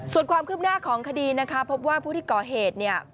ส่วนความขึ้นหน้าของคดีนะคะพบว่าผู้ที่ก่อเหตุ